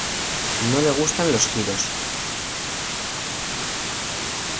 No le gustan los giros.